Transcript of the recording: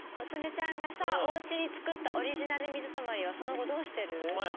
ちゃんがさおうちにつくったオリジナルみずたまりはそのごどうしてる？ホンマや。